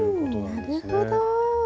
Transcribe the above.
なるほど。